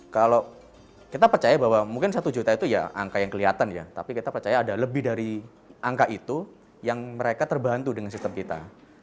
kalau kita percaya bahwa mungkin satu juta itu ya angka yang kelihatan ya tapi kita percaya ada lebih dari angka itu yang mereka terbantu dengan sistem kita